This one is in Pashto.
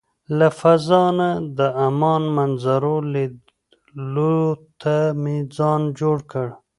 له فضا نه د عمان منظرو لیدلو ته مې ځان جوړ کړ.